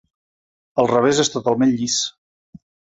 El revés és totalment llis.